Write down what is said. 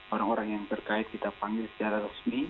orang orang yang terkait kita panggil secara resmi